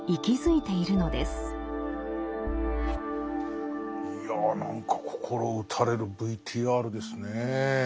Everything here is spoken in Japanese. いや何か心打たれるＶＴＲですねえ。